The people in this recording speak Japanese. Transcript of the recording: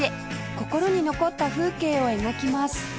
心に残った風景を描きます